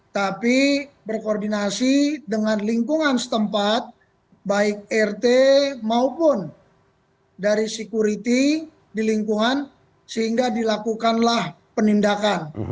tapi berkoordinasi dengan lingkungan setempat baik rt maupun dari sekuriti di lingkungan sehingga dilakukanlah penindakan